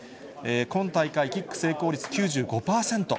今大会、キック成功率９５％。